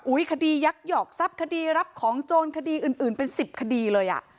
คดียักยอกทรัพย์คดีรับของโจรคดีอื่นเป็น๑๐คดีเลยอ่ะ